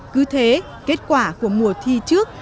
cứ thế kết quả của mùa thi trước